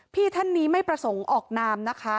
พี่ท่านนี้ไม่ประสงค์ออกนามนะคะ